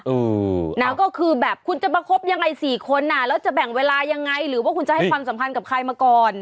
เออนะก็คือแบบคุณจะมาคบยังไงสี่คนอ่ะแล้วจะแบ่งเวลายังไงหรือว่าคุณจะให้ความสัมพันธ์กับใครมาก่อน